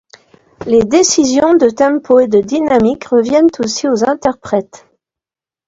Les décisions de tempo et de dynamique reviennent aussi aux interprètes.